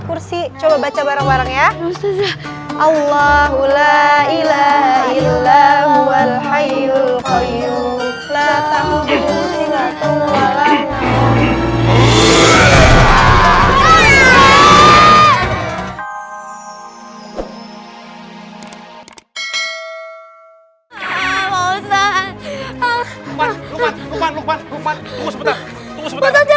nasi coba baca bareng bareng ya allahulailahaillamu alhayyul quyyyutlatahuljilatuhwalakna